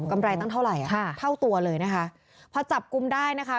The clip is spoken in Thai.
ไรตั้งเท่าไหร่อ่ะค่ะเท่าตัวเลยนะคะพอจับกลุ่มได้นะคะ